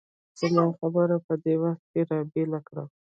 زما خبره یې په دې وخت کې را بېل کړه.